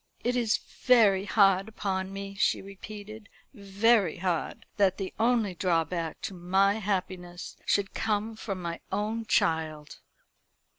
"It is very hard upon me," she repeated "very hard that the only drawback to my happiness should come from my own child."